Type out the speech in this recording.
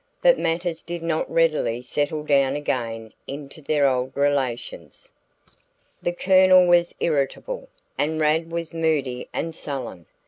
But matters did not readily settle down again into their old relations. The Colonel was irritable, and Rad was moody and sullen.